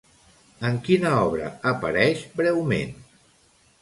En quina obra apareix breument?